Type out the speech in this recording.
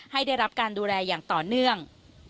ให้ได้รับการดูแลอย่างต่อเนื่อง